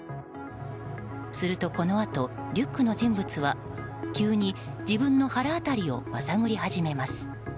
すると、このあとリュックの人物は急に自分の腹辺りをまさぐり始めます。